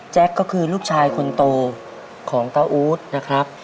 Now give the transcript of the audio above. ก็คือลูกชายคนโตของตาอู๊ดนะครับ